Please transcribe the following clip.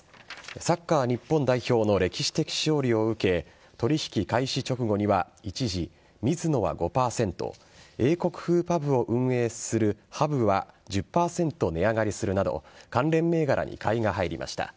サッカー日本代表の歴史的勝利を受け取引開始直後には一時ミズノは５％英国風パブを運営するＨＵＢは１０％値上がりするなど関連銘柄に買いが入りました。